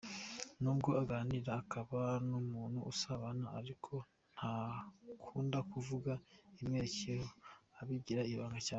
Nubwo aganira akaba n’umuntu usabana ariko ntaunda kuvuga ibimwerekeyeho, abigira ibanga cyane.